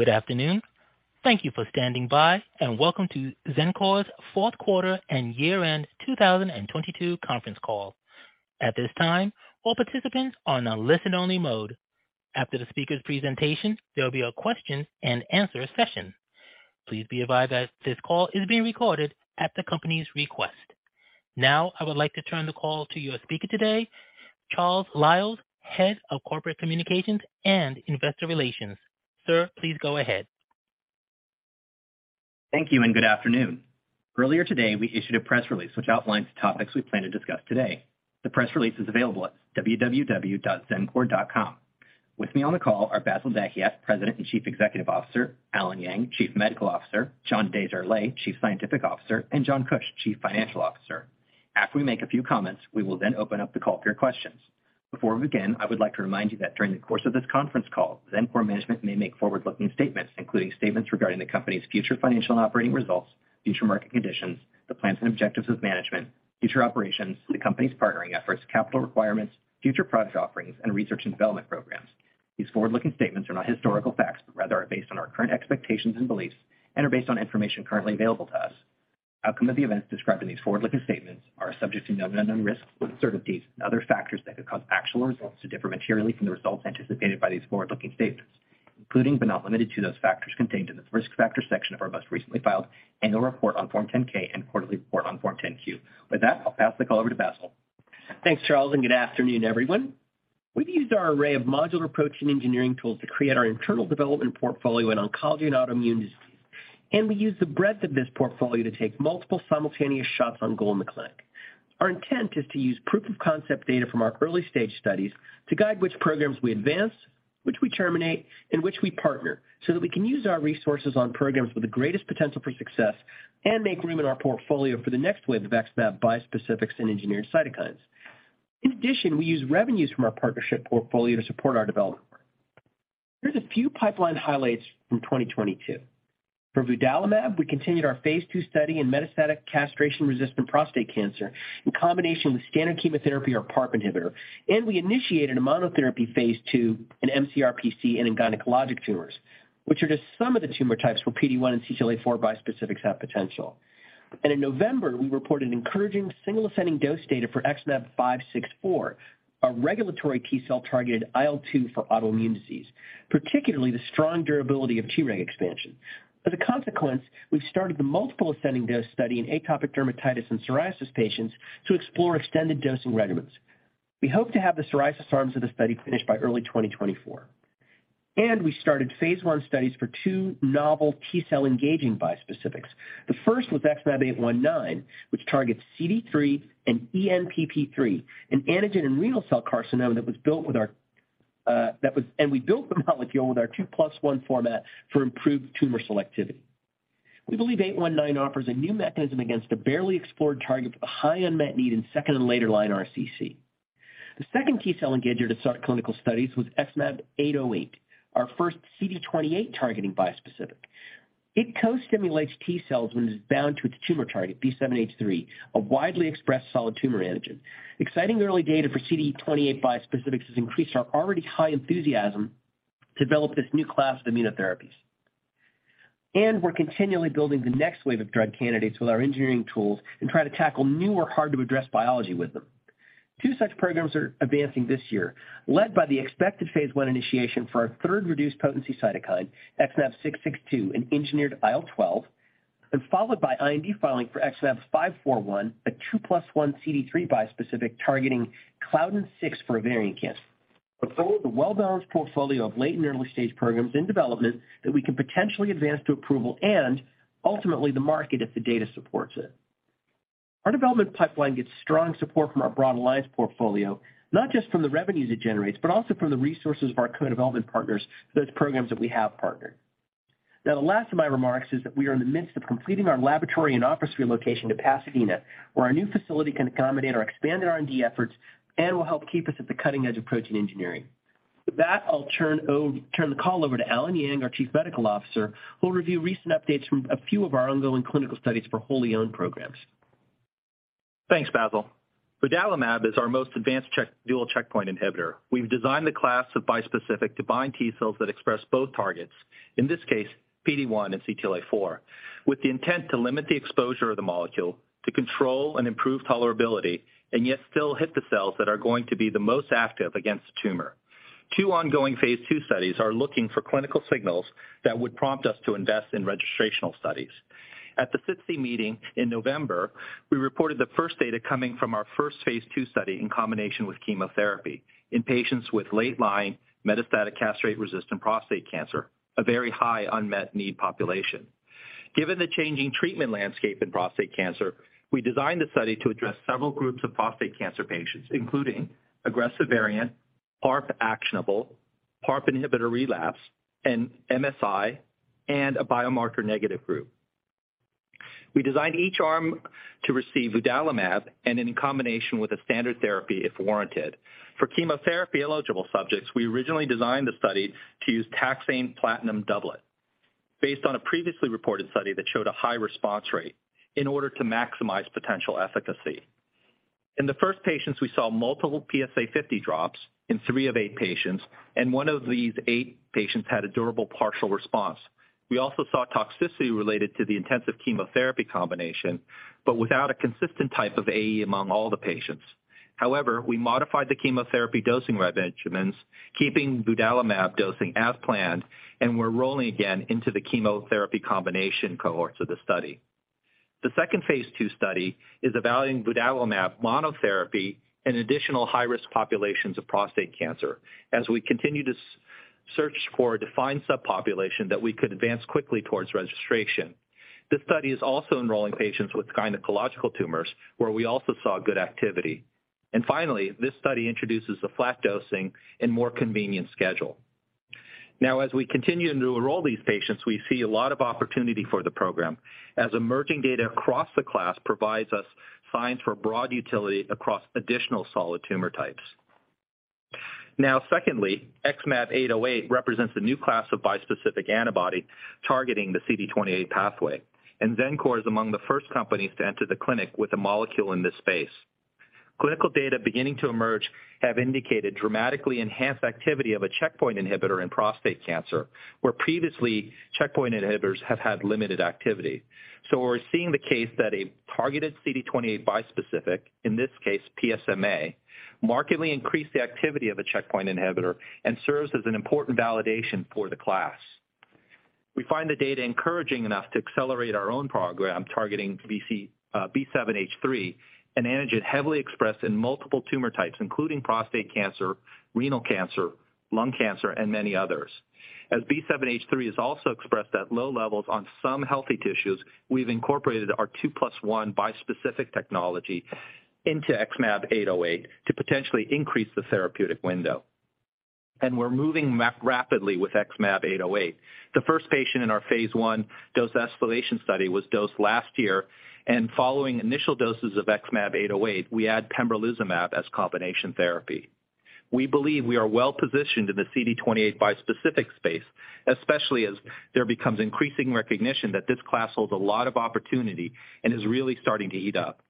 Good afternoon. Thank you for standing by, and welcome to Xencor's fourth quarter and year-end 2022 conference call. At this time, all participants are on a listen only mode. After the speaker's presentation, there'll be a question and answer session. Please be advised that this call is being recorded at the company's request. I would like to turn the call to your speaker today, Charles Liles, Head of Corporate Communications and Investor Relations. Sir, please go ahead. Thank you. Good afternoon. Earlier today, we issued a press release which outlines the topics we plan to discuss today. The press release is available at www.xencor.com. With me on the call are Bassil Dahiyat, President and Chief Executive Officer, Allen Yang, Chief Medical Officer, John Desjarlais, Chief Scientific Officer, and John Kuch, Chief Financial Officer. After we make a few comments, we will open up the call for your questions. Before we begin, I would like to remind you that during the course of this conference call, Xencor management may make forward-looking statements, including statements regarding the company's future financial operating results, future market conditions, the plans and objectives of management, future operations, the company's partnering efforts, capital requirements, future product offerings, and research and development programs. These forward-looking statements are not historical facts, but rather are based on our current expectations and beliefs and are based on information currently available to us. Outcome of the events described in these forward-looking statements are subject to numerous risks, uncertainties and other factors that could cause actual results to differ materially from the results anticipated by these forward-looking statements, including but not limited to those factors contained in this risk factor section of our most recently filed annual report on Form 10-K and quarterly report on Form 10-Q. With that, I'll pass the call over to Bassil. Thanks, Charles, and good afternoon, everyone. We've used our array of modular approach and engineering tools to create our internal development portfolio in oncology and autoimmune disease. We use the breadth of this portfolio to take multiple simultaneous shots on goal in the clinic. Our intent is to use proof of concept data from our early stage studies to guide which programs we advance, which we terminate and which we partner, so that we can use our resources on programs with the greatest potential for success and make room in our portfolio for the next wave of XmAb bispecifics and engineered cytokines. In addition, we use revenues from our partnership portfolio to support our development. Here's a few pipeline highlights from 2022. For vudalimab, we continued our phase two study in metastatic castration-resistant prostate cancer in combination with standard chemotherapy or PARP inhibitor, we initiated a monotherapy phase two in mCRPC and in gynecologic tumors, which are just some of the tumor types where PD-1 and CTLA-4 bispecifics have potential. In November, we reported encouraging single ascending dose data for XmAb564, a regulatory T-cell targeted IL-2 for autoimmune disease, particularly the strong durability of Treg expansion. As a consequence, we've started the multiple ascending dose study in atopic dermatitis and psoriasis patients to explore extended dosing regimens. We hope to have the psoriasis arms of the study finished by early 2024. We started phase 1 studies for two novel T-cell engaging bispecifics. The first was XmAb819, which targets CD3 and ENPP3, an antigen and renal cell carcinoma that was built with our. We built the molecule with our 2+1 format for improved tumor selectivity. We believe 819 offers a new mechanism against a barely explored target with a high unmet need in second and later line RCC. The second T-cell engager to start clinical studies was XmAb808, our first CD28 targeting bispecific. It co-stimulates T-cells when it is bound to its tumor target, B7H3, a widely expressed solid tumor antigen. Exciting early data for CD28 bispecifics has increased our already high enthusiasm to develop this new class of immunotherapies. We're continually building the next wave of drug candidates with our engineering tools and try to tackle new or hard to address biology with them. Two such programs are advancing this year, led by the expected phase 1 initiation for our third reduced potency cytokine, XmAb662, an engineered IL-12, and followed by IND filing for XmAb541, a 2+1 CD3 bispecific targeting Claudin-6 for ovarian cancer. Before the well-balanced portfolio of late- and early-stage programs in development that we can potentially advance to approval and ultimately the market if the data supports it. Our development pipeline gets strong support from our broad alliance portfolio, not just from the revenues it generates, but also from the resources of our co-development partners for those programs that we have partnered. Now, the last of my remarks is that we are in the midst of completing our laboratory and office relocation to Pasadena, where our new facility can accommodate our expanded R&D efforts and will help keep us at the cutting edge of protein engineering. With that, I'll turn the call over to Allen Yang, our Chief Medical Officer, who will review recent updates from a few of our ongoing clinical studies for wholly owned programs. Thanks, Bassil. vudalimab is our most advanced dual checkpoint inhibitor. We've designed the class of bispecific to bind T-cells that express both targets, in this case, PD-1 and CTLA-4, with the intent to limit the exposure of the molecule to control and improve tolerability and yet still hit the cells that are going to be the most active against the tumor. Two ongoing phase two studies are looking for clinical signals that would prompt us to invest in registrational studies. At the SITC meeting in November, we reported the first data coming from our first phase two study in combination with chemotherapy in patients with late-line metastatic castration-resistant prostate cancer, a very high unmet need population. Given the changing treatment landscape in prostate cancer, we designed the study to address several groups of prostate cancer patients, including aggressive variant, PARP actionable, PARP inhibitor relapse, and MSI, and a biomarker negative group. We designed each arm to receive vudalimab and in combination with a standard therapy, if warranted. For chemotherapy-eligible subjects, we originally designed the study to use taxane platinum doublet based on a previously reported study that showed a high response rate in order to maximize potential efficacy. In the first patients, we saw multiple PSA 50 drops in three of eight patients. one of these eight patients had a durable partial response. We also saw toxicity related to the intensive chemotherapy combination, but without a consistent type of AE among all the patients. We modified the chemotherapy dosing regimens, keeping vudalimab dosing as planned, and we're rolling again into the chemotherapy combination cohorts of the study. The second phase 2 study is evaluating vudalimab monotherapy in additional high-risk populations of prostate cancer as we continue to search for a defined subpopulation that we could advance quickly towards registration. This study is also enrolling patients with gynecological tumors, where we also saw good activity. Finally, this study introduces a flat dosing and more convenient schedule. As we continue to enroll these patients, we see a lot of opportunity for the program, as emerging data across the class provides us signs for broad utility across additional solid tumor types. Secondly, XmAb808 represents a new class of bispecific antibody targeting the CD28 pathway, and Xencor is among the first companies to enter the clinic with a molecule in this space. Clinical data beginning to emerge have indicated dramatically enhanced activity of a checkpoint inhibitor in prostate cancer, where previously checkpoint inhibitors have had limited activity. We're seeing the case that a targeted CD28 bispecific, in this case PSMA, markedly increased the activity of a checkpoint inhibitor and serves as an important validation for the class. We find the data encouraging enough to accelerate our own program targeting B7-H3, an antigen heavily expressed in multiple tumor types, including prostate cancer, renal cancer, lung cancer, and many others. As B7-H3 is also expressed at low levels on some healthy tissues, we've incorporated our two plus one bispecific technology into XmAb808 to potentially increase the therapeutic window. We're moving map rapidly with XmAb808. The first patient in our phase one dose escalation study was dosed last year, and following initial doses of XmAb808, we add pembrolizumab as combination therapy. We believe we are well-positioned in the CD28 bispecific space, especially as there becomes increasing recognition that this class holds a lot of opportunity and is really starting to heat up.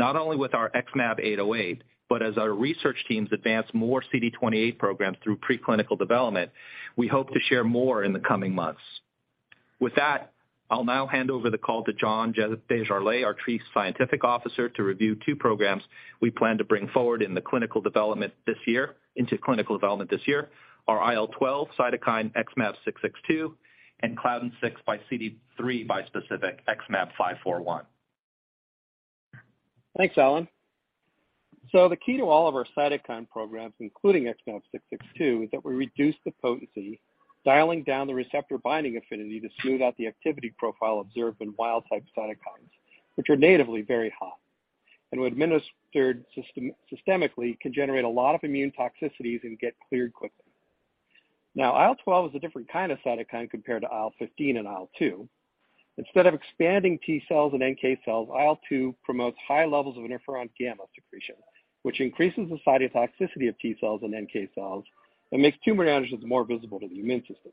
Not only with our XmAb808, but as our research teams advance more CD28 programs through preclinical development, we hope to share more in the coming months. With that, I'll now hand over the call to John Desjarlais, our Chief Scientific Officer, to review two programs we plan to bring forward into clinical development this year, our IL-12 cytokine XmAb662, and Claudin-6 by CD3 bispecific XmAb541. Thanks, Allen. The key to all of our cytokine programs, including XmAb662, is that we reduce the potency, dialing down the receptor binding affinity to smooth out the activity profile observed in wild type cytokines, which are natively very hot and when administered systemically can generate a lot of immune toxicities and get cleared quickly. IL-12 is a different kind of cytokine compared to IL-15 and IL-2. Instead of expanding T cells and NK cells, IL-2 promotes high levels of interferon gamma secretion, which increases the cytotoxicity of T cells and NK cells and makes tumor antigens more visible to the immune system.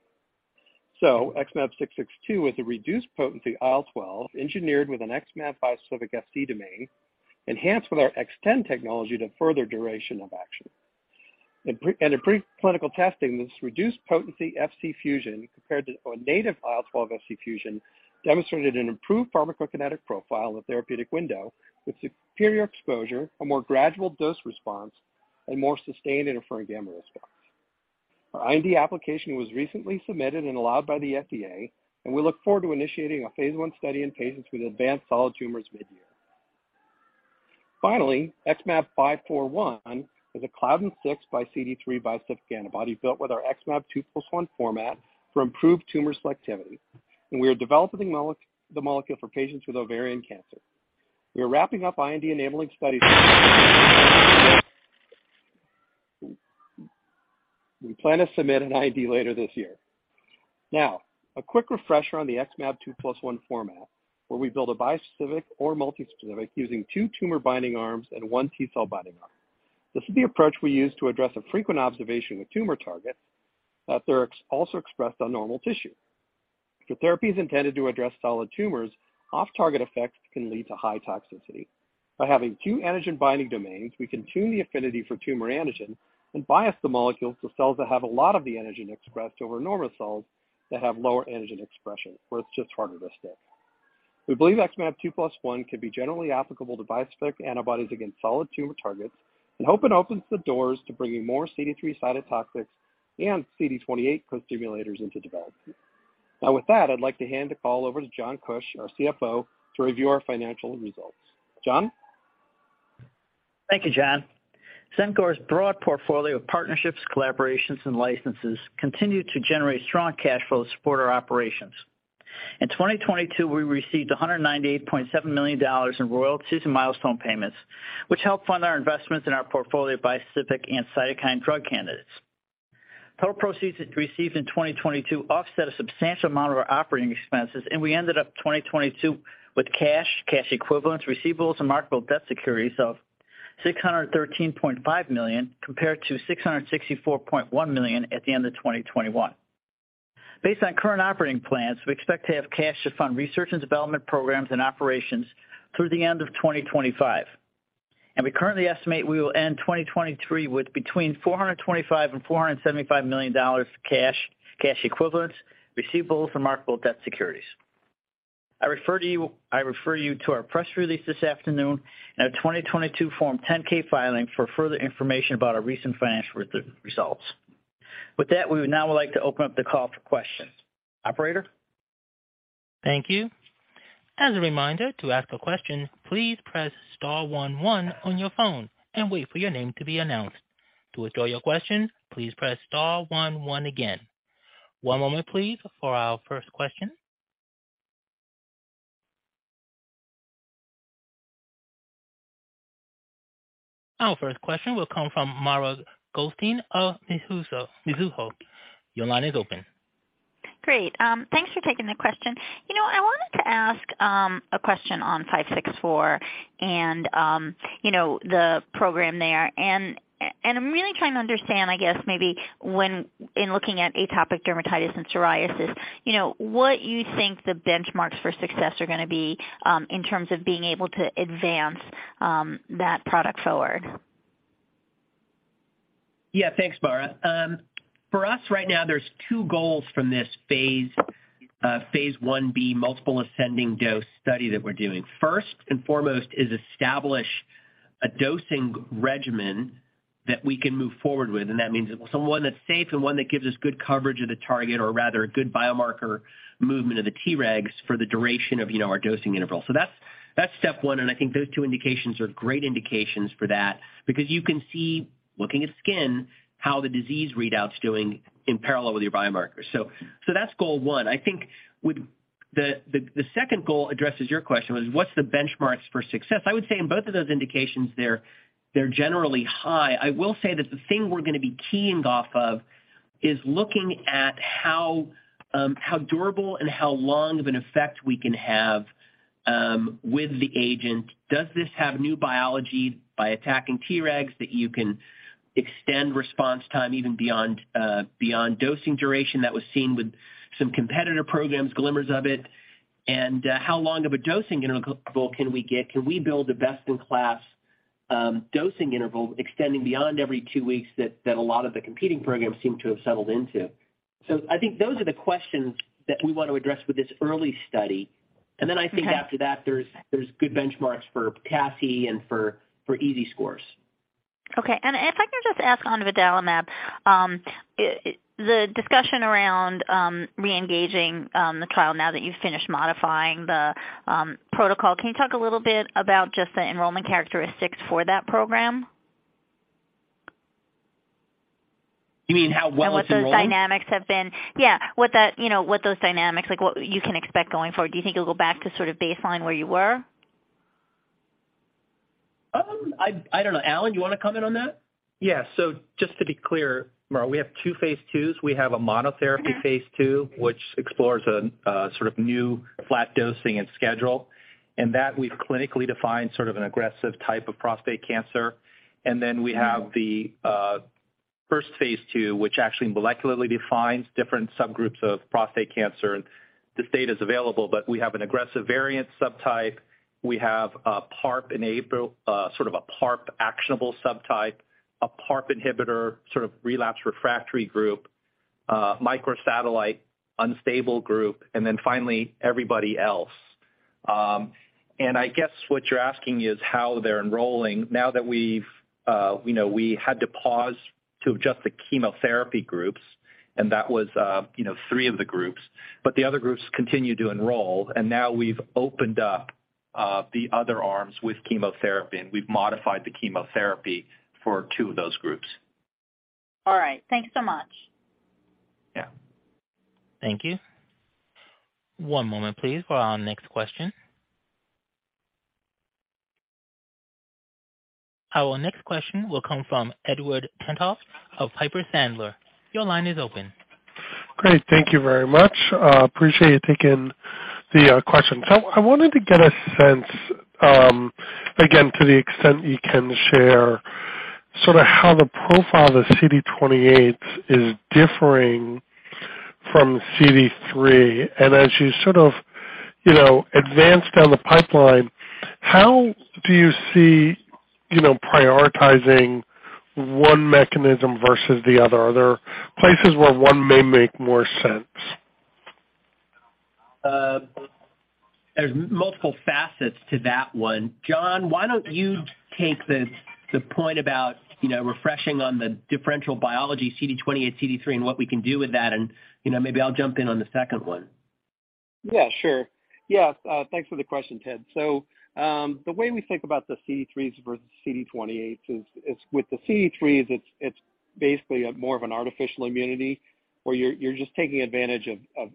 XmAb662 is a reduced potency IL-12 engineered with an XmAb bispecific Fc domain enhanced with our Xtend technology to further duration of action. In pre-clinical testing, this reduced potency Fc fusion compared to a native IL-12 Fc fusion demonstrated an improved pharmacokinetic profile in the therapeutic window with superior exposure, a more gradual dose response, and more sustained interferon gamma response. Our IND application was recently submitted and allowed by the FDA. We look forward to initiating a phase 1 study in patients with advanced solid tumors midyear. Finally, XmAb541 is a Claudin-6 by CD3 bispecific antibody built with our XmAb 2+1 format for improved tumor selectivity. We are developing the molecule for patients with ovarian cancer. We are wrapping up IND-enabling studies. We plan to submit an IND later this year. Now, a quick refresher on the XmAb 2+1 format, where we build a bispecific or multispecific using two tumor-binding arms and one T-cell binding arm. This is the approach we use to address a frequent observation with tumor targets that are also expressed on normal tissue. If the therapy is intended to address solid tumors, off-target effects can lead to high toxicity. By having two antigen binding domains, we can tune the affinity for tumor antigen and bias the molecules to cells that have a lot of the antigen expressed over normal cells that have lower antigen expression, where it's just harder to stick. We believe XmAb 2+1 can be generally applicable to bispecific antibodies against solid tumor targets and hope it opens the doors to bringing more CD3 cytotoxics and CD28 costimulators into development. With that, I'd like to hand the call over to John Kuch, our CFO, to review our financial results. John? Thank you, John. Xencor's broad portfolio of partnerships, collaborations, and licenses continue to generate strong cash flow to support our operations. In 2022, we received $198.7 million in royalties and milestone payments, which helped fund our investments in our portfolio of bispecific and cytokine drug candidates. Total proceeds received in 2022 offset a substantial amount of our operating expenses, and we ended up 2022 with cash equivalents, receivables, and marketable debt securities of $613.5 million, compared to $664.1 million at the end of 2021. Based on current operating plans, we expect to have cash to fund research and development programs and operations through the end of 2025. We currently estimate we will end 2023 with between $425 million and $475 million cash equivalents, receivables and marketable debt securities. I refer you to our press release this afternoon and our 2022 Form 10-K filing for further information about our recent financial re-results. With that, we would now like to open up the call for questions. Operator? Thank you. As a reminder, to ask a question, please press star one one on your phone and wait for your name to be announced. To withdraw your question, please press star one one again. One moment please for our first question. Our first question will come from Mara Goldstein of Mizuho. Your line is open. Great. thanks for taking the question. You know, I wanted to ask, a question on 564 and, you know, the program there and I'm really trying to understand, I guess maybe when in looking at atopic dermatitis and psoriasis, you know, what you think the benchmarks for success are gonna be, in terms of being able to advance, that product forward. Yeah. Thanks, Mara. For us right now, there's two goals from this phase 1B multiple ascending dose study that we're doing. First and foremost is establish a dosing regimen that we can move forward with, that means someone that's safe and one that gives us good coverage of the target or rather a good biomarker movement of the Tregs for the duration of, you know, our dosing interval. That's step 1, I think those two indications are great indications for that because you can see, looking at skin, how the disease readout's doing in parallel with your biomarkers. That's goal 1. I think with the second goal addresses your question was what's the benchmarks for success? I would say in both of those indications they're generally high. I will say that the thing we're gonna be keying off of is looking at how durable and how long of an effect we can have with the agent. Does this have new biology by attacking Tregs that you can extend response time even beyond dosing duration that was seen with some competitor programs, glimmers of it? How long of a dosing interval can we get? Can we build a best in class dosing interval extending beyond every two weeks that a lot of the competing programs seem to have settled into. I think those are the questions that we want to address with this early study. Okay. I think after that, there's good benchmarks for PASC and for EASI scores. Okay. If I can just ask on vudalimab, the discussion around reengaging the trial now that you've finished modifying the protocol. Can you talk a little bit about just the enrollment characteristics for that program? You mean how well it's enrolled? What those dynamics have been? Yeah. You know, what those dynamics like what you can expect going forward, do you think it'll go back to sort of baseline where you were? I don't know. Allen, you wanna comment on that? Yeah. Just to be clear, Mara, we have two phase 2s. We have a monotherapy-. Mm-hmm. phase two, which explores a sort of new flat dosing and schedule. That we've clinically defined sort of an aggressive type of prostate cancer. We have the first phase two, which actually molecularly defines different subgroups of prostate cancer. This data is available, but we have an aggressive variant subtype. We have a PARP actionable subtype, a PARP inhibitor sort of relapse refractory group, microsatellite unstable group, and then finally everybody else. I guess what you're asking is how they're enrolling now that we've, you know, we had to pause to adjust the chemotherapy groups, and that was, you know, 3 of the groups, but the other groups continued to enroll, and now we've opened up the other arms with chemotherapy, and we've modified the chemotherapy for 2 of those groups. All right. Thanks so much. Yeah. Thank you. One moment please for our next question. Our next question will come from Edward Tenthoff of Piper Sandler. Your line is open. Great. Thank you very much. appreciate you taking the question. I wanted to get a sense, again, to the extent you can share sort of how the profile of CD28 is differing from CD3. As you sort of, you know, advance down the pipeline, how do you see, you know, prioritizing one mechanism versus the other? Are there places where one may make more sense? There's multiple facets to that one. John, why don't you take the point about, you know, refreshing on the differential biology CD28, CD3, and what we can do with that, and, you know, maybe I'll jump in on the second one. Sure. Yeah. Thanks for the question, Ted. The way we think about the CD3s versus CD28s is with the CD3s, it's basically a more of an artificial immunity, where you're just taking advantage of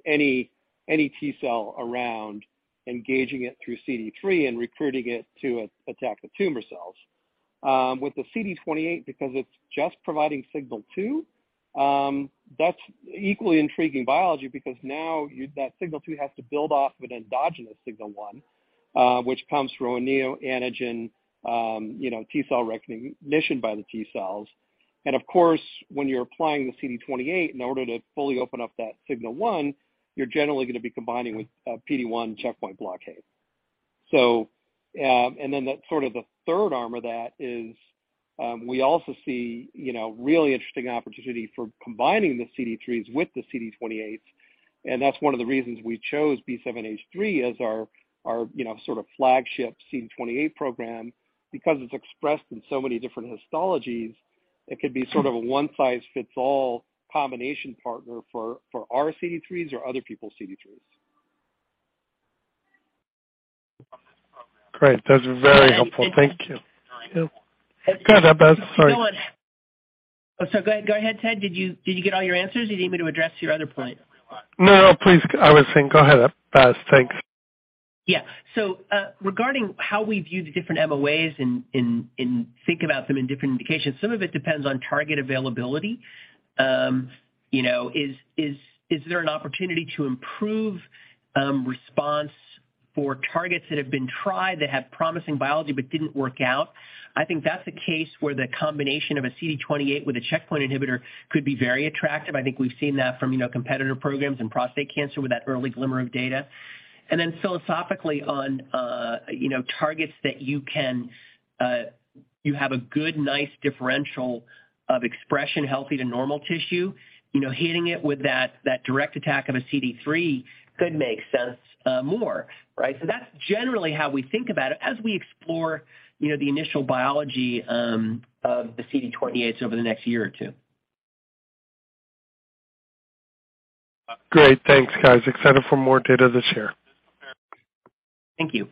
any T cell around, engaging it through CD3 and recruiting it to attack the tumor cells. With the CD28 because it's just providing signal two, that's equally intriguing biology because now that signal two has to build off an endogenous signal one, which comes from a neo-antigen, you know, T cell recognition by the T cells. Of course, when you're applying the CD28 in order to fully open up that signal one, you're generally gonna be combining with PD-1 checkpoint blockade. The sort of the third arm of that is, we also see, you know, really interesting opportunity for combining the CD3s with the CD28. That's one of the reasons we chose B7-H3 as our, you know, sort of flagship CD28 program because it's expressed in so many different histologies. It could be sort of a one-size-fits-all combination partner for our CD3s or other people's CD3s. Great. That's very helpful. Thank you. And- Go ahead, Abbas. Sorry. Go ahead, Ted. Did you get all your answers? You need me to address your other point? No, please. I was saying go ahead, Abbas. Thanks. Regarding how we view the different MOAs and think about them in different indications, some of it depends on target availability. You know, is there an opportunity to improve response for targets that have been tried that have promising biology but didn't work out? I think that's a case where the combination of a CD28 with a checkpoint inhibitor could be very attractive. I think we've seen that from, you know, competitor programs in prostate cancer with that early glimmer of data. Philosophically on, you know, targets that you can, you have a good, nice differential of expression healthy to normal tissue, you know, hitting it with that direct attack of a CD3 could make sense, more, right? That's generally how we think about it as we explore, you know, the initial biology of the CD28 over the next year or two. Great. Thanks, guys. Excited for more data this year. Thank you.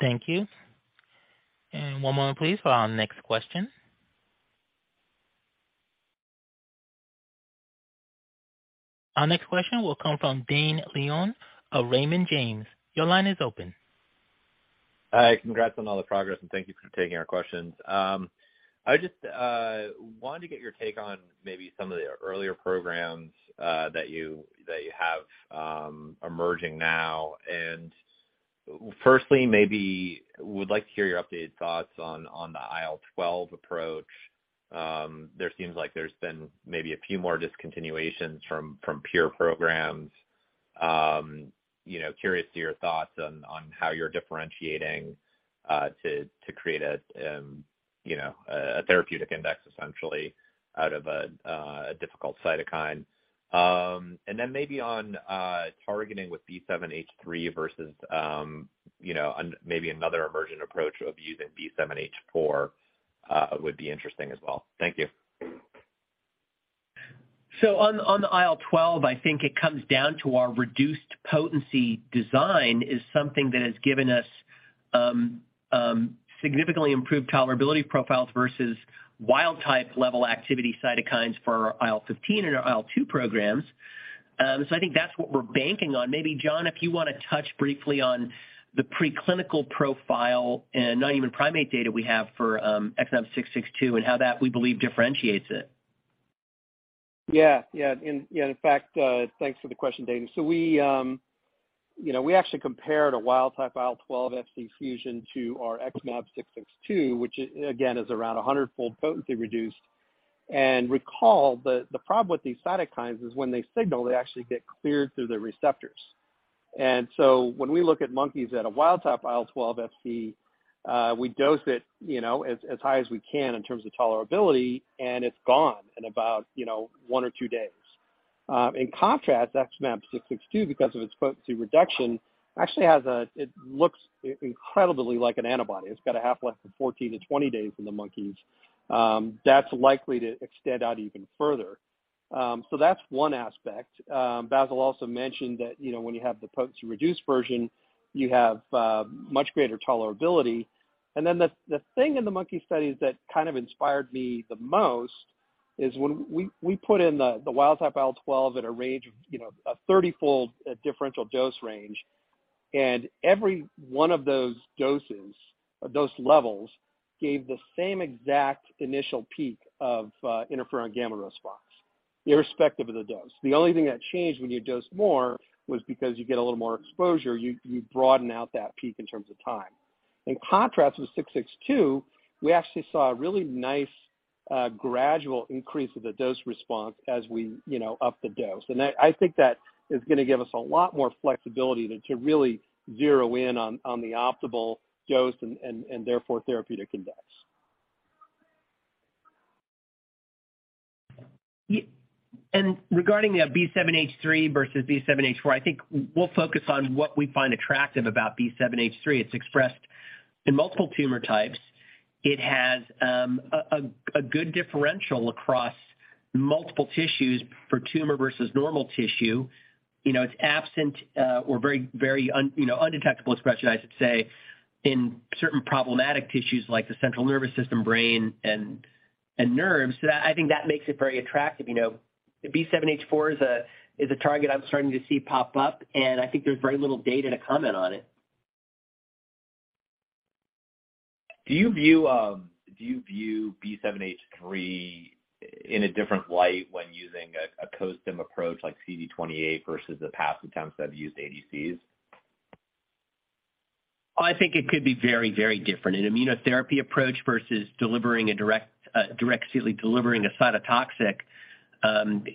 Thank you. One moment please for our next question. Our next question will come from Dane Leone of Raymond James. Your line is open. Hi. Congrats on all the progress, and thank you for taking our questions. I just wanted to get your take on maybe some of the earlier programs that you have emerging now. Firstly, maybe would like to hear your updated thoughts on the IL-12 approach. There seems like there's been maybe a few more discontinuations from pure programs. You know, curious to your thoughts on how you're differentiating to create a, you know, a therapeutic index essentially out of a difficult cytokine. Then maybe on targeting with B7H3 versus, you know, maybe another emergent approach of using B7H4 would be interesting as well. Thank you. On the IL-12, I think it comes down to our reduced potency design is something that has given us significantly improved tolerability profiles versus wild type level activity cytokines for our IL-15 and our IL-two programs. I think that's what we're banking on. Maybe, John, if you wanna touch briefly on the preclinical profile and not even primate data we have for XmAb662 and how that we believe differentiates it. Yeah. Yeah. In fact, thanks for the question, Dane. We, you know, we actually compared a wild type IL-12-Fc fusion to our XmAb662, which again, is around 100-fold potency reduced. Recall the problem with these cytokines is when they signal, they actually get cleared through the receptors. When we look at monkeys at a wild type IL-12-Fc, we dose it, you know, as high as we can in terms of tolerability, and it's gone in about, you know, 1 or 2 days. In contrast, XmAb662, because of its potency reduction, actually has. It looks incredibly like an antibody. It's got a half-life of 14-20 days in the monkeys. That's likely to extend out even further. That's one aspect. Bassil also mentioned that, you know, when you have the potency reduced version, you have much greater tolerability. The thing in the monkey studies that kind of inspired me the most is when we put in the wild type IL-12 at a range of, you know, a 30-fold differential dose range, and every one of those doses or dose levels gave the same exact initial peak of interferon gamma response irrespective of the dose. The only thing that changed when you dose more was because you get a little more exposure, you broaden out that peak in terms of time. In contrast, with XmAb662, we actually saw a really nice gradual increase of the dose response as we, you know, up the dose. I think that is going to give us a lot more flexibility to really zero in on the optimal dose and therefore therapeutic index. Regarding the B7H3 versus B7H4, I think we'll focus on what we find attractive about B7H3. It's expressed in multiple tumor types. It has a good differential across multiple tissues for tumor versus normal tissue. You know, it's absent or very undetectable expression, I should say, in certain problematic tissues like the central nervous system, brain, and nerves. That, I think that makes it very attractive. You know, B7H4 is a target I'm starting to see pop up, and I think there's very little data to comment on it. Do you view, do you view B7-H3 in a different light when using a co-stim approach like CD28 versus the past attempts that have used ADCs? I think it could be very, very different. An immunotherapy approach versus delivering a direct, directly delivering a cytotoxic,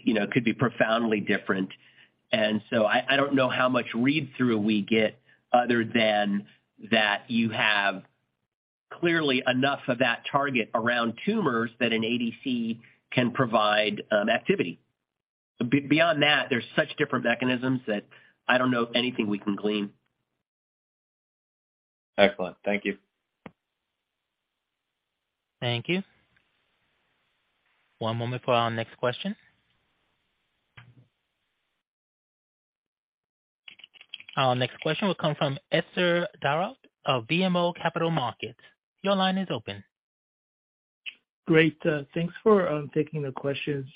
you know, could be profoundly different. I don't know how much read-through we get other than that you have clearly enough of that target around tumors that an ADC can provide, activity. Beyond that, there's such different mechanisms that I don't know anything we can glean. Excellent. Thank you. Thank you. One moment for our next question. Our next question will come from Etzer Darout of BMO Capital Markets. Your line is open. Great. Thanks for taking the questions.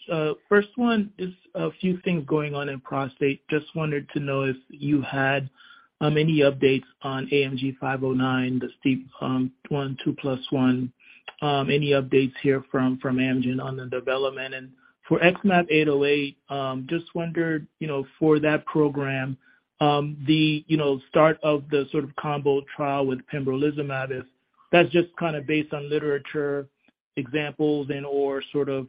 First one is a few things going on in prostate. Just wanted to know if you had any updates on AMG-509, the STEAP1, one, two plus one. Any updates here from Amgen on the development? For XmAb808, just wondered, you know, for that program, the, you know, start of the sort of combo trial with Pembrolizumab, is that's just kind of based on literature examples and/or sort of,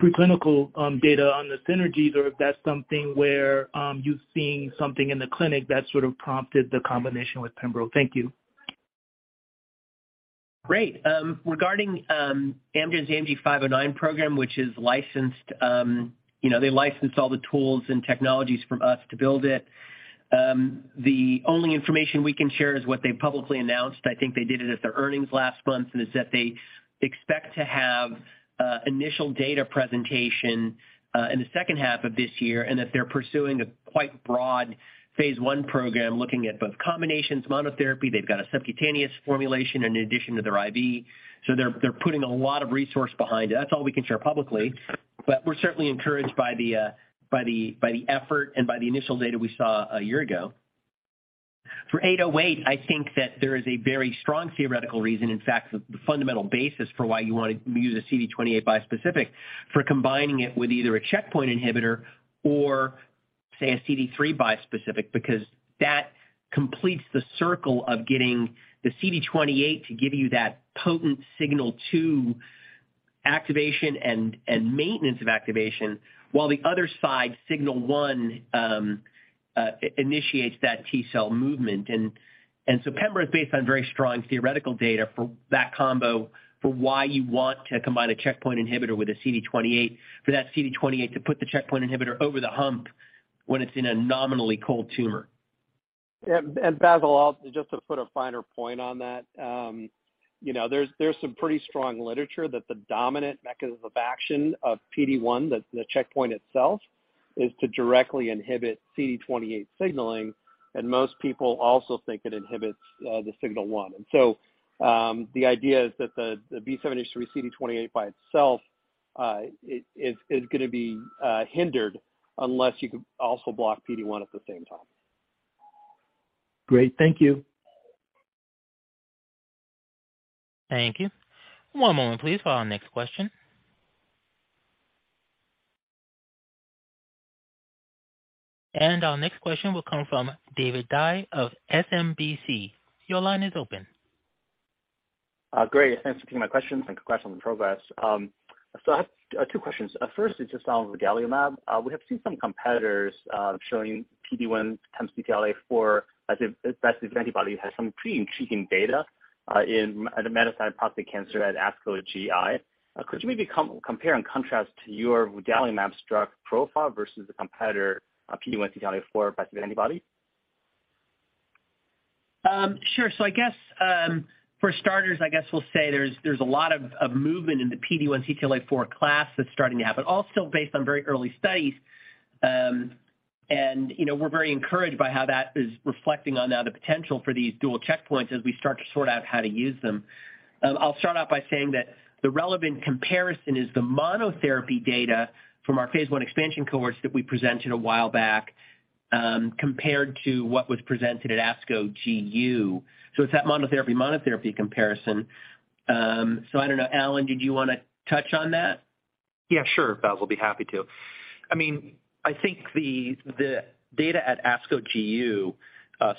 preclinical data on the synergies, or if that's something where, you've seen something in the clinic that sort of prompted the combination with Pembro? Thank you. Great. Regarding Amgen's AMG 509 program, which is licensed, you know, they licensed all the tools and technologies from us to build it. The only information we can share is what they publicly announced. I think they did it at their earnings last month, and is that they expect to have initial data presentation in the second half of this year, and that they're pursuing a quite broad phase 1 program looking at both combinations monotherapy. They've got a subcutaneous formulation in addition to their IV. They're putting a lot of resource behind it. That's all we can share publicly, but we're certainly encouraged by the effort and by the initial data we saw a year ago. For 808, I think that there is a very strong theoretical reason, in fact, the fundamental basis for why you wanna use a CD28 bispecific for combining it with either a checkpoint inhibitor or, say, a CD3 bispecific, because that completes the circle of getting the CD28 to give you that potent signal to activation and maintenance of activation, while the other side, signal one, initiates that T-cell movement. Pembro is based on very strong theoretical data for that combo for why you want to combine a checkpoint inhibitor with a CD28, for that CD28 to put the checkpoint inhibitor over the hump when it's in a nominally cold tumor. Yeah. Bassil also just to put a finer point on that, you know, there's some pretty strong literature that the dominant mechanism of action of PD-1, the checkpoint itself, is to directly inhibit CD28 signaling, and most people also think it inhibits the signal one. The idea is that the B7-H3 CD28 by itself is gonna be hindered unless you can also block PD-1 at the same time. Great. Thank you. Thank you. One moment, please, for our next question. Our next question will come from David Dai of SMBC. Your line is open. Great. Thanks for taking my questions and congrats on the progress. I have two questions. First is just on vudalimab. We have seen some competitors showing PD-1 comes to CTLA-4 as if antibody has some pretty intriguing data in a metastatic prostate cancer at ASCO GI. Could you maybe compare and contrast to your vudalimab drug profile versus the competitor PD-1 CTLA-4 by antibody? Sure. I guess, for starters, I guess we'll say there's a lot of movement in the PD-1 CTLA-4 class that's starting to happen, all still based on very early studies. You know, we're very encouraged by how that is reflecting on now the potential for these dual checkpoints as we start to sort out how to use them. I'll start out by saying that the relevant comparison is the monotherapy data from our phase one expansion cohorts that we presented a while back, compared to what was presented at ASCO GU. It's that monotherapy comparison. I don't know, Allen, did you wanna touch on that? Yeah, sure, Bassil. I'll be happy to. I mean, I think the data at ASCO GU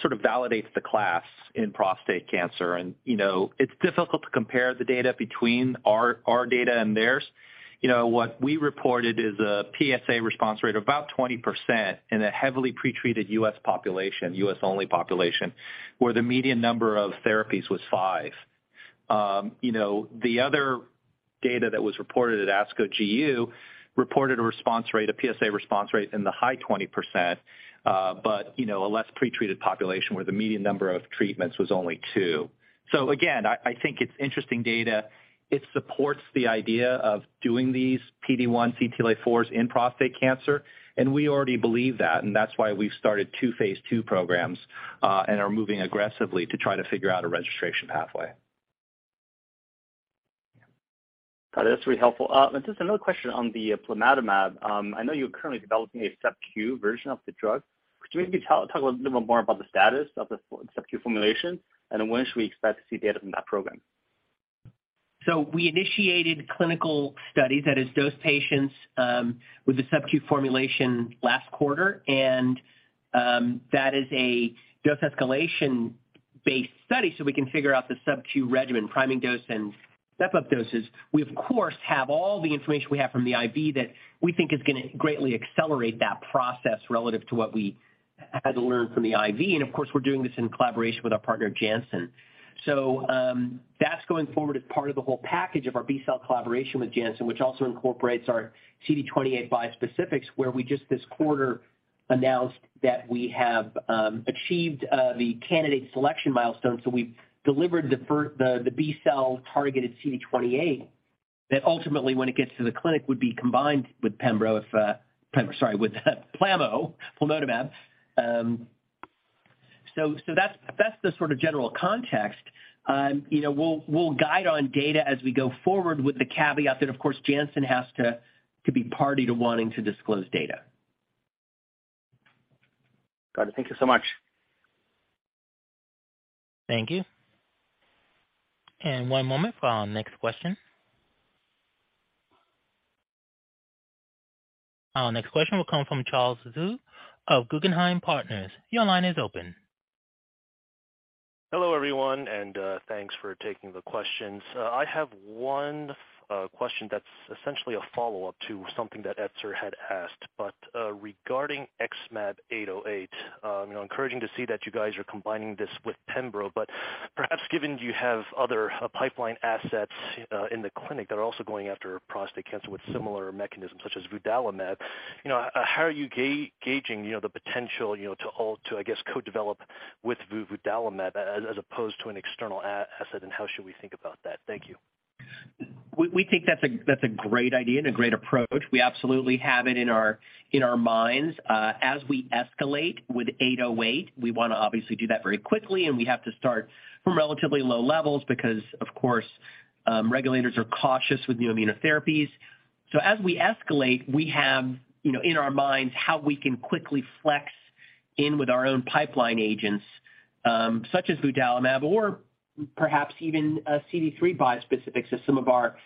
sort of validates the class in prostate cancer. You know, it's difficult to compare the data between our data and theirs. You know, what we reported is a PSA response rate of about 20% in a heavily pretreated U.S. population, U.S. only population, where the median number of therapies was 5. You know, the other data that was reported at ASCO GU reported a response rate, a PSA response rate in the high 20%, but you know, a less pretreated population where the median number of treatments was only two. Again, I think it's interesting data. It supports the idea of doing these PD-1 CTLA-4s in prostate cancer, and we already believe that, and that's why we've started two phase two programs, and are moving aggressively to try to figure out a registration pathway. That is very helpful. Just another question on the plamotamab. I know you're currently developing a subq version of the drug. Could you maybe talk a little bit more about the status of the subq formulation, and when should we expect to see data from that program? We initiated clinical studies, that is, dose patients, with the subq formulation last quarter. That is a dose escalation-based study. We can figure out the subq regimen, priming dose, and step-up doses. We of course, have all the information we have from the IV that we think is gonna greatly accelerate that process relative to what we had to learn from the IV. Of course, we're doing this in collaboration with our partner, Janssen. That's going forward as part of the whole package of our B-cell collaboration with Janssen, which also incorporates our CD28 bispecifics, where we just this quarter announced that we have achieved the candidate selection milestone. We've delivered the B-cell targeted CD28 that ultimately, when it gets to the clinic, would be combined with pembro if with plamotamab. That's the sort of general context. You know, we'll guide on data as we go forward with the caveat that of course Janssen has to be party to wanting to disclose data. Got it. Thank you so much. Thank you. One moment for our next question. Our next question will come from Charles Zhu of Guggenheim Partners. Your line is open. Hello, everyone, thanks for taking the questions. I have one question that's essentially a follow-up to something that Etzer had asked. Regarding XmAb808, you know, encouraging to see that you guys are combining this with pembro. Perhaps given you have other pipeline assets in the clinic that are also going after prostate cancer with similar mechanisms such as vudalimab, you know, how are you gauging, you know, the potential, you know, to, I guess, co-develop with vudalimab as opposed to an external asset, and how should we think about that? Thank you. We think that's a great idea and a great approach. We absolutely have it in our minds. As we escalate with 808, we wanna obviously do that very quickly, and we have to start from relatively low levels because, of course, regulators are cautious with new immunotherapies. As we escalate, we have, you know, in our minds how we can quickly flex in with our own pipeline agents, such as vudalimab or perhaps even a CD3 bispecific. Some of our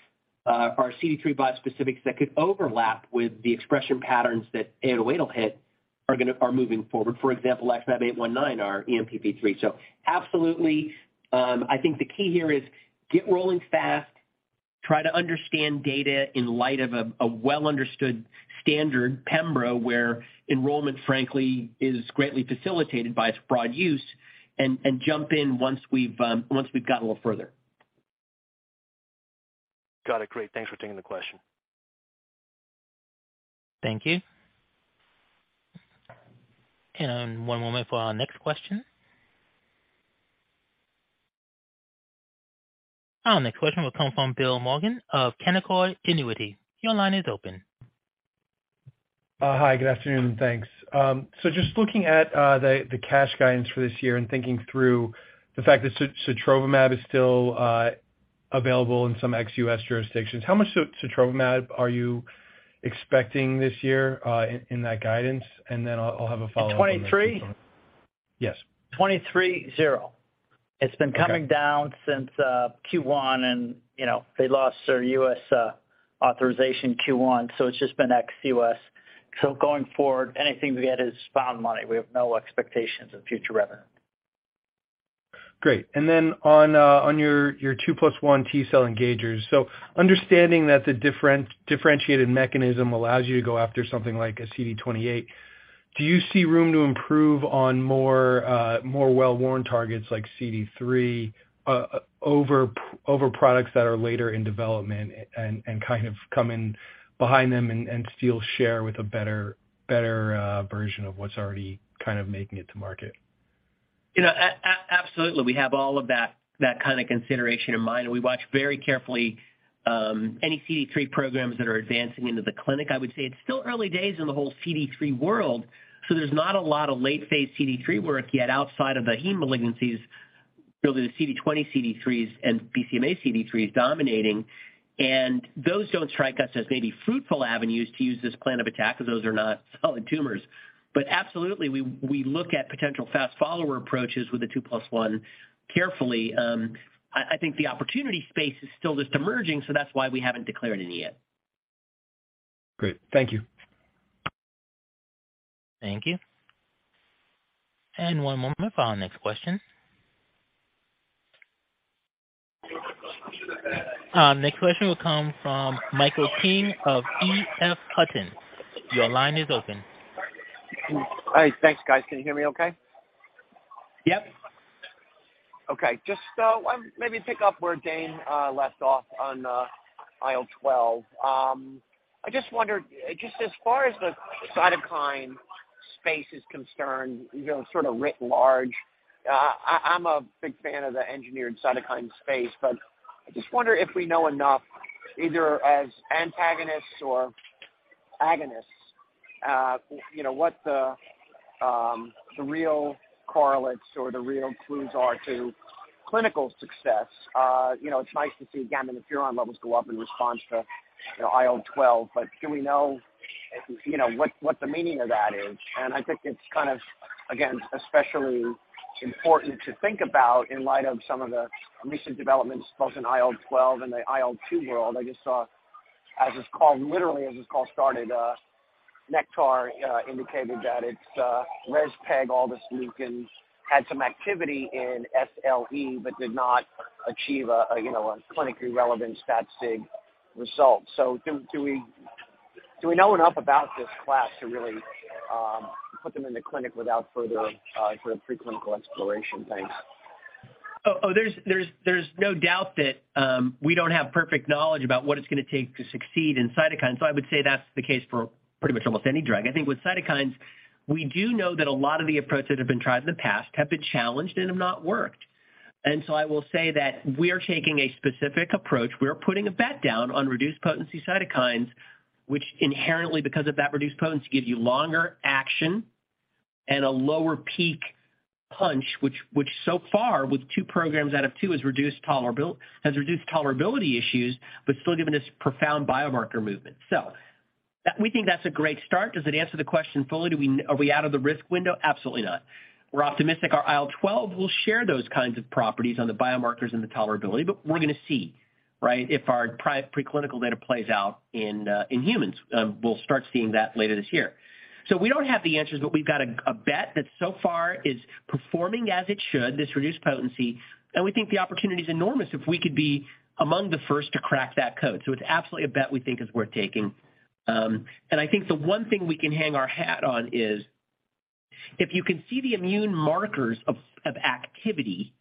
CD3 bispecifics that could overlap with the expression patterns that 808 will hit are moving forward. For example, XmAb819, our ENPP3. Absolutely. I think the key here is get rolling fast, try to understand data in light of a well-understood standard, Pembro, where enrollment, frankly, is greatly facilitated by its broad use, and jump in once we've got a little further. Got it. Great. Thanks for taking the question. Thank you. One moment for our next question. Our next question will come from William Maughan of Canaccord Genuity. Your line is open. Hi. Good afternoon. Thanks. Just looking at the cash guidance for this year and thinking through the fact that citrobactam is still available in some ex-US jurisdictions, how much citrobactam are you expecting this year in that guidance? Then I'll have a follow-up. In 2023? Yes. 23, zero. Okay. It's been coming down since, Q1, and, you know, they lost their U.S. authorization Q1, so it's just been ex-U.S. Going forward, anything we get is found money. We have no expectations of future revenue. Great. Then on your 2+1 T-cell engagers. Understanding that the differentiated mechanism allows you to go after something like a CD28, do you see room to improve on more well-worn targets like CD3 over products that are later in development and kind of come in behind them and still share with a better version of what's already kind of making it to market? You know, absolutely. We have all of that kind of consideration in mind, and we watch very carefully, any CD3 programs that are advancing into the clinic. I would say it's still early days in the whole CD3 world, so there's not a lot of late-phase CD3 work yet outside of the Heme malignancies, really the CD20 CD3s and BCMA CD3s dominating. Those don't strike us as maybe fruitful avenues to use this plan of attack because those are not solid tumors. Absolutely, we look at potential fast follower approaches with the two plus one carefully. I think the opportunity space is still just emerging, so that's why we haven't declared any yet. Great. Thank you. Thank you. One moment for our next question. Next question will come from Michael King of EF Hutton. Your line is open. Hi. Thanks, guys. Can you hear me okay? Yep. Okay. Just maybe pick up where Dane left off on aisle 12. I just wondered, just as far as the cytokine space is concerned, you know, sort of writ large, I'm a big fan of the engineered cytokine space, but I just wonder if we know enough, either as antagonists or agonists, you know, what the real correlates or the real clues are to clinical success. You know, it's nice to see interferon gamma levels go up in response to, you know, IL-12, but do we know, you know, what the meaning of that is? I think it's kind of, again, especially important to think about in light of some of the recent developments both in IL-12 and the IL-2 world. I just saw, literally, as this call started, Nektar indicated that its rezpegaldesleukin had some activity in SLE but did not achieve a, you know, a clinically relevant stat sig result. Do we know enough about this class to really put them in the clinic without further sort of preclinical exploration? Thanks. There's no doubt that we don't have perfect knowledge about what it's gonna take to succeed in cytokines. I would say that's the case for pretty much almost any drug. I think with cytokines, we do know that a lot of the approaches that have been tried in the past have been challenged and have not worked. I will say that we're taking a specific approach. We are putting a bet down on reduced potency cytokines, which inherently, because of that reduced potency, gives you longer action and a lower peak punch, which so far with two programs out of two has reduced tolerability issues, but still given this profound biomarker movement. We think that's a great start. Does it answer the question fully? Are we out of the risk window? Absolutely not. We're optimistic our IL-12 will share those kinds of properties on the biomarkers and the tolerability, but we're gonna see, right? If our preclinical data plays out in humans. We'll start seeing that later this year. We don't have the answers, but we've got a bet that so far is performing as it should, this reduced potency. We think the opportunity is enormous if we could be among the first to crack that code. It's absolutely a bet we think is worth taking. I think the one thing we can hang our hat on is if you can see the immune markers of activity,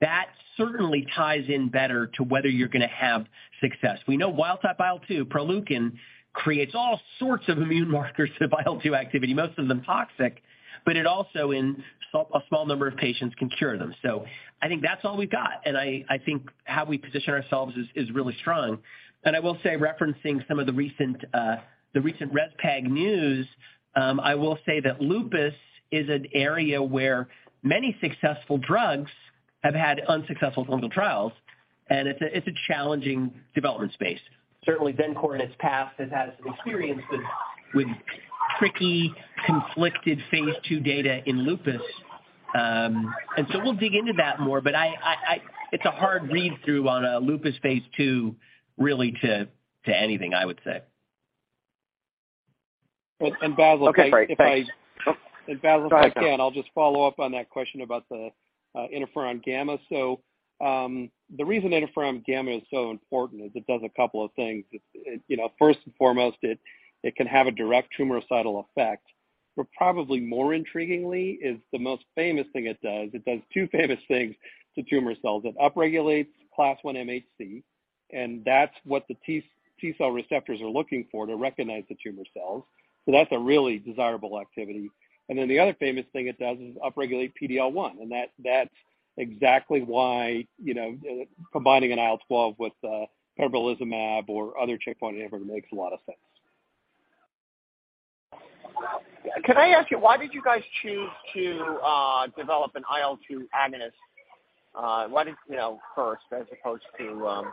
that certainly ties in better to whether you're gonna have success. We know wild type IL-2, Proleukin, creates all sorts of immune markers to IL-2 activity, most of them toxic, but it also in a small number of patients can cure them. I think that's all we've got, and I think how we position ourselves is really strong. I will say, referencing some of the recent, the recent rezpeg news, I will say that lupus is an area where many successful drugs have had unsuccessful clinical trials, and it's a challenging development space. Certainly, Xencor in its past has had some experience with tricky, conflicted phase two data in lupus. We'll dig into that more, but I... It's a hard read-through on a lupus phase two really to anything, I would say. Basil, Okay, great. Thanks. Oh. Basil. Go ahead, John. I'll just follow up on that question about the interferon gamma. The reason interferon gamma is so important is it does a couple of things. It, you know, first and foremost, it can have a direct tumoricidal effect. Probably more intriguingly is the most famous thing it does. It does two famous things to tumor cells. It upregulates MHC class I, and that's what the T-cell receptors are looking for to recognize the tumor cells. That's a really desirable activity. Then the other famous thing it does is upregulate PD-L1, and that's exactly why, you know, combining an IL-12 with pembrolizumab or other checkpoint inhibitor makes a lot of sense. Can I ask you, why did you guys choose to develop an IL-2 agonist, why did, you know, first, as opposed to,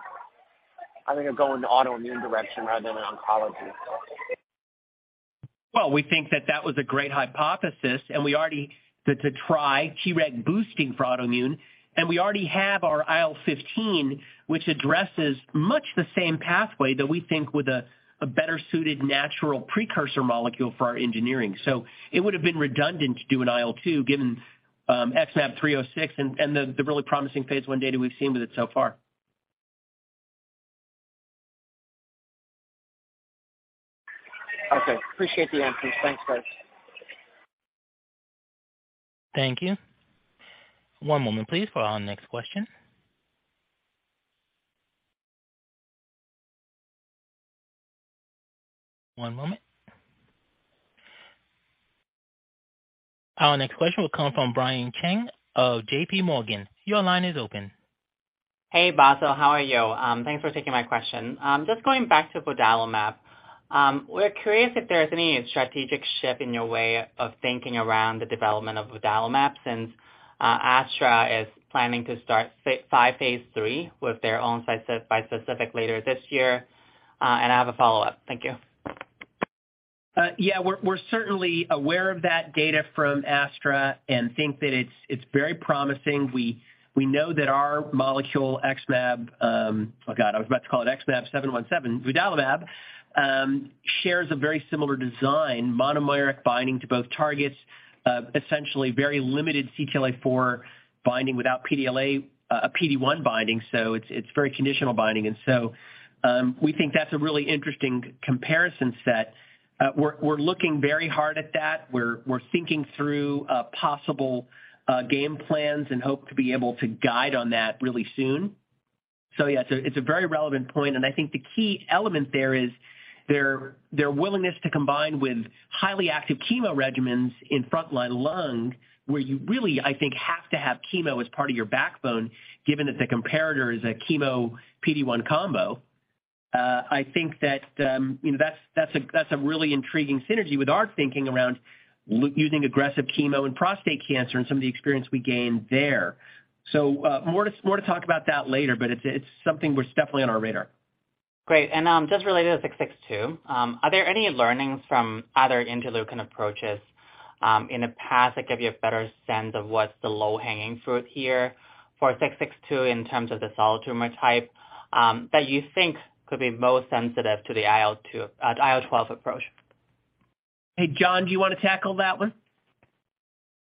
I think, going the autoimmune direction rather than in oncology? Well, we think that that was a great hypothesis, we already to try Treg boosting for autoimmune. We already have our IL-15, which addresses much the same pathway that we think with a better suited natural precursor molecule for our engineering. It would have been redundant to do an IL-2, given XmAb306 and the really promising phase 1 data we've seen with it so far. Okay. Appreciate the answers. Thanks, guys. Thank you. One moment please for our next question. One moment. Our next question will come from Brian Cheng of J.P. Morgan. Your line is open. Hey, Bassil. How are you? Thanks for taking my question. Just going back to vudalimab. We're curious if there's any strategic shift in your way of thinking around the development of vudalimab since AstraZeneca is planning to start phase 3 with their own site-specific later this year. I have a follow-up. Thank you. Yeah, we're certainly aware of that data from AstraZeneca and think that it's very promising. We, we know that our molecule XmAb vudalimab shares a very similar design, monomeric binding to both targets, essentially very limited CTLA-4 binding without PD-1 binding, so it's very conditional binding. We think that's a really interesting comparison set. We're, we're looking very hard at that. We're, we're thinking through possible game plans and hope to be able to guide on that really soon. Yeah, it's a very relevant point, and I think the key element there is their willingness to combine with highly active chemo regimens in front-line lung, where you really, I think, have to have chemo as part of your backbone, given that the comparator is a chemo PD-1 combo. I think that, you know, that's a really intriguing synergy with our thinking around using aggressive chemo in prostate cancer and some of the experience we gained there. More to talk about that later, but it's something that's definitely on our radar. Great. Just related to XmAb662, are there any learnings from other interleukin approaches in the past that give you a better sense of what's the low-hanging fruit here for XmAb662 in terms of the solid tumor type that you think could be most sensitive to the IL-12 approach? Hey, John, do you wanna tackle that one?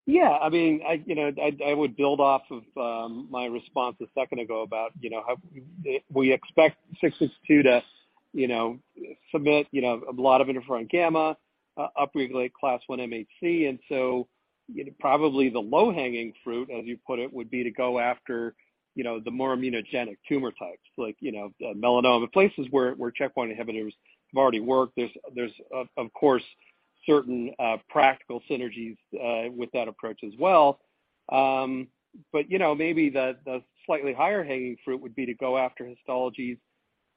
Yeah. I mean, I, you know, I would build off of my response a second ago about, you know, how we expect XmAb662 to, you know, submit, you know, a lot of interferon gamma, upregulate MHC class I. Probably the low-hanging fruit, as you put it, would be to go after, you know, the more immunogenic tumor types, like, you know, melanoma, places where checkpoint inhibitors have already worked. There's of course certain practical synergies with that approach as well. You know, maybe the slightly higher hanging fruit would be to go after histologies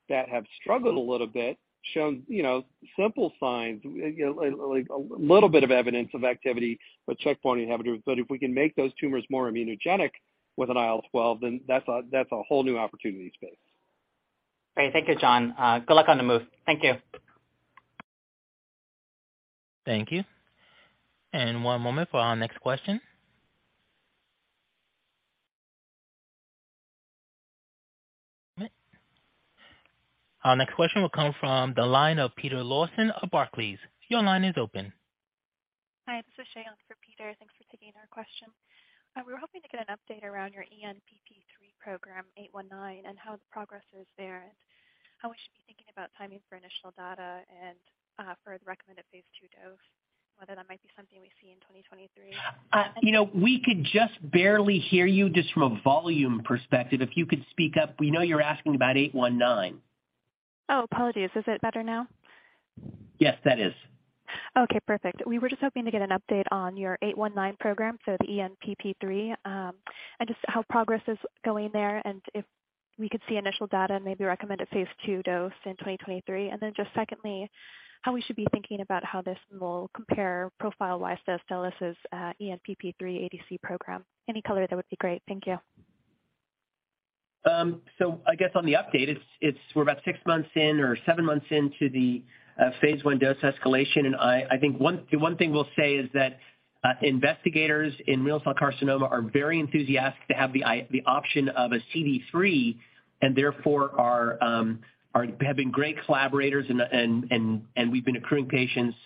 that have struggled a little bit, shown, you know, simple signs, a, like, a little bit of evidence of activity with checkpoint inhibitors. If we can make those tumors more immunogenic with an IL-12, then that's a whole new opportunity space. Great. Thank you, John. good luck on the move. Thank you. Thank you. One moment for our next question. Our next question will come from the line of Peter Lawson of Barclays. Your line is open. Hi, this is Shayon for Peter. Thanks for taking our question. We were hoping to get an update around your ENPP3 program, XmAb819, and how the progress is there, and how we should be thinking about timing for initial data and for the recommended phase 2 dose, whether that might be something we see in 2023. you know, we could just barely hear you just from a volume perspective. If you could speak up. We know you're asking about XmAb819. Oh, apologies. Is it better now? Yes, that is. Okay, perfect. We were just hoping to get an update on your XmAb819 program, so the ENPP3, and just how progress is going there, and if we could see initial data, maybe recommended phase 2 dose in 2023. Just secondly, how we should be thinking about how this will compare profile-wise to Astellas' ENPP3 ADC program. Any color, that would be great. Thank you. I guess on the update, it's we're about 6 months in or 7 months into the phase I dose escalation. I think the one thing we'll say is that investigators in renal cell carcinoma are very enthusiastic to have the option of a CD3, and therefore have been great collaborators and we've been accruing patients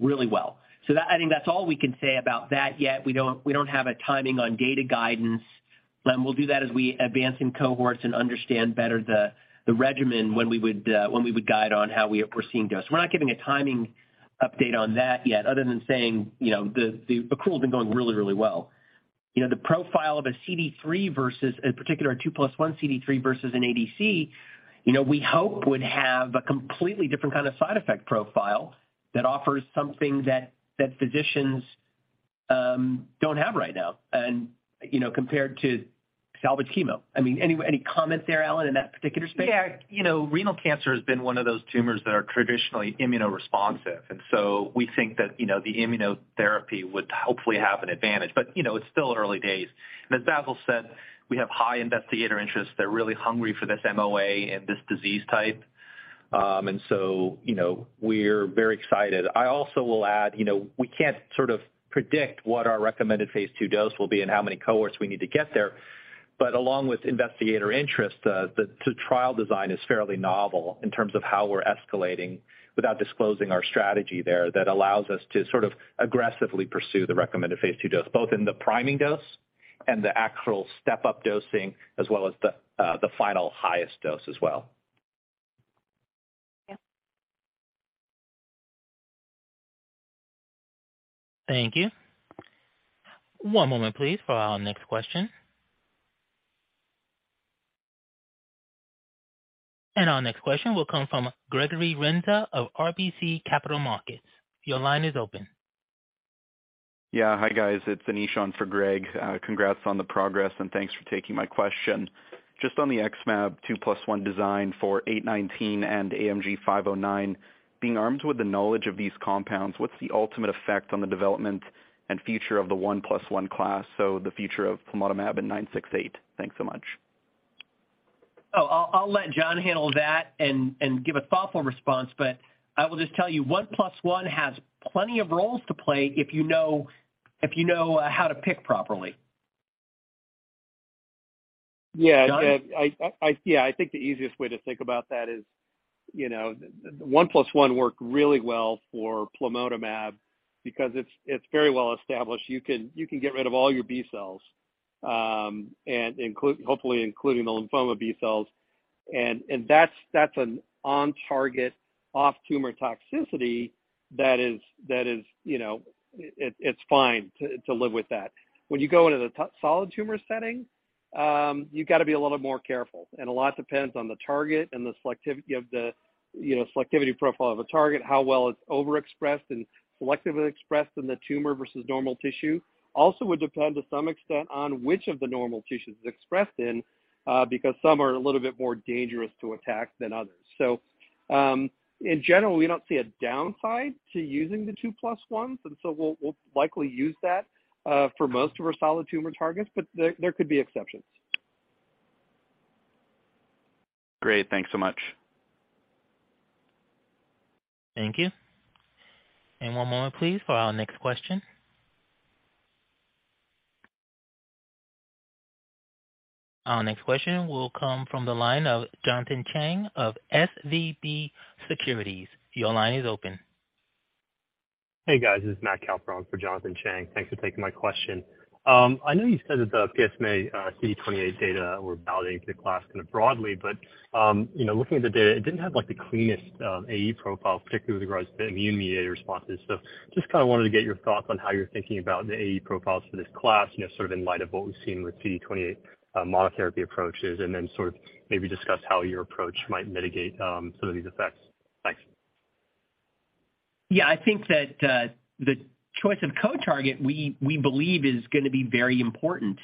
really well. I think that's all we can say about that yet. We don't have a timing on data guidance. We'll do that as we advance in cohorts and understand better the regimen when we would guide on how we are proceeding dose. We're not giving a timing update on that yet other than saying, you know, the accrual has been going really, really well. You know, the profile of a CD3 versus a particular two plus one CD3 versus an ADC, you know, we hope would have a completely different kind of side effect profile that offers something that physicians don't have right now and, you know, compared to salvage chemo. I mean, any comment there, Alan, in that particular space? Yeah. You know, renal cancer has been one of those tumors that are traditionally immunoresponsive. We think that, you know, the immunotherapy would hopefully have an advantage. You know, it's still early days. As Bassil said, we have high investigator interest. They're really hungry for this MOA and this disease type. You know, we're very excited. I also will add, you know, we can't sort of predict what our recommended phase 2 dose will be and how many cohorts we need to get there. Along with investigator interest, the trial design is fairly novel in terms of how we're escalating without disclosing our strategy there. That allows us to sort of aggressively pursue the recommended phase 2 dose, both in the priming dose and the actual step-up dosing, as well as the final highest dose as well. Yeah. Thank you. One moment, please, for our next question. Our next question will come from Gregory Renza of RBC Capital Markets. Your line is open. Hi, guys. It's Anish on for Greg. Congrats on the progress, and thanks for taking my question. Just on the XmAb 2+1 design for XmAb819 and AMG 509, being armed with the knowledge of these compounds, what's the ultimate effect on the development and future of the 1+1 class, so the future of plamotamab and nine six eight? Thanks so much. I'll let John handle that and give a thoughtful response, but I will just tell you one plus one has plenty of roles to play if you know, if you know how to pick properly. Yeah. John? Yeah, I think the easiest way to think about that is, you know, one plus one worked really well for plamotamab because it's very well established. You can get rid of all your B cells and hopefully including the lymphoma B cells. And that's an on target, off tumor toxicity that is, you know, it's fine to live with that. When you go into the solid tumor setting, you gotta be a little more careful, and a lot depends on the target and the selectivity of theYou know, selectivity profile of a target, how well it's overexpressed and selectively expressed in the tumor versus normal tissue. Also would depend to some extent on which of the normal tissues it's expressed in, because some are a little bit more dangerous to attack than others. In general, we don't see a downside to using the two plus ones, and so we'll likely use that for most of our solid tumor targets, but there could be exceptions. Great. Thanks so much. Thank you. One moment please for our next question. Our next question will come from the line of Jonathan Chang of SVB Securities. Your line is open. Hey, guys. This is Matt Calperon for Jonathan Chang. Thanks for taking my question. I know you said that the PSMA CD28 data were validating to the class kind of broadly, but, you know, looking at the data, it didn't have, like, the cleanest AE profile, particularly with regards to immune-mediated responses. Just kinda wanted to get your thoughts on how you're thinking about the AE profiles for this class, you know, sort of in light of what we've seen with CD28 monotherapy approaches, and then sort of maybe discuss how your approach might mitigate some of these effects. Thanks. I think that the choice of co-target we believe is gonna be very important.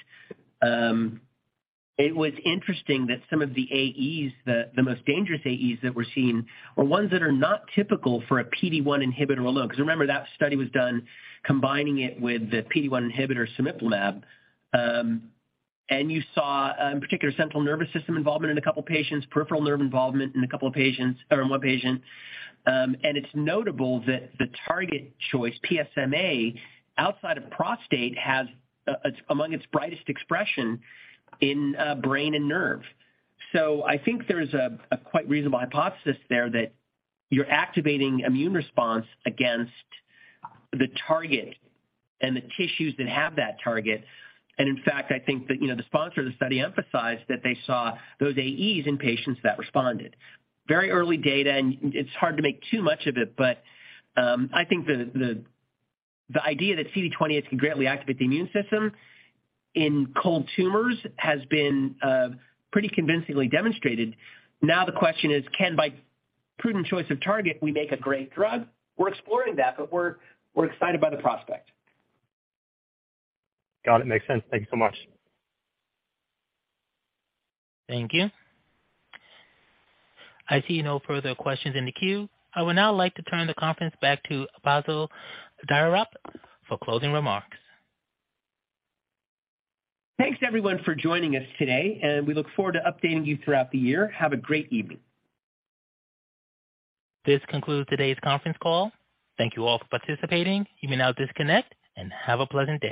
It was interesting that some of the AEs, the most dangerous AEs that we're seeing are ones that are not typical for a PD-1 inhibitor alone. Remember, that study was done combining it with the PD-1 inhibitor, cemiplimab. You saw particular central nervous system involvement in a couple patients, peripheral nerve involvement in a couple of patients, or in one patient. It's notable that the target choice, PSMA, outside of prostate, has among its brightest expression in brain and nerve. I think there's a quite reasonable hypothesis there that you're activating immune response against the target and the tissues that have that target. In fact, I think that, you know, the sponsor of the study emphasized that they saw those AEs in patients that responded. Very early data, and it's hard to make too much of it, but I think the idea that CD28 can greatly activate the immune system in cold tumors has been pretty convincingly demonstrated. The question is, can by prudent choice of target we make a great drug? We're exploring that, but we're excited by the prospect. Got it. Makes sense. Thank you so much. Thank you. I see no further questions in the queue. I would now like to turn the conference back to Bassil Dahiyat for closing remarks. Thanks everyone for joining us today, and we look forward to updating you throughout the year. Have a great evening. This concludes today's conference call. Thank you all for participating. You may now disconnect and have a pleasant day.